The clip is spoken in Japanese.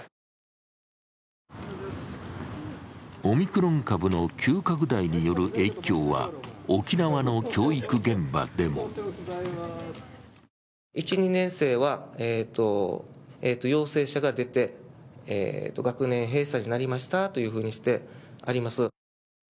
オミクロン株の急拡大による影響は沖縄の教育現場でも１、２年生は陽性者が出て学年閉鎖になりましたというふうにしてあります。